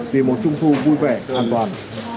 vì một trung thu vui vẻ an toàn